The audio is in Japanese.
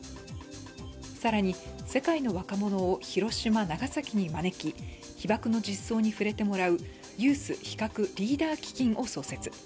更に、世界の若者を広島・長崎に招き、被爆の実相に触れてもらうユース非核リーダー基金を創設。